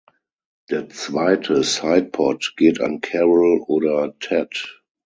Der zweite Side Pot geht an Carol oder Ted.